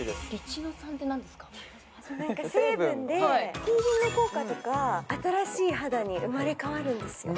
成分成分でピーリング効果とか新しい肌に生まれ変わるんですよ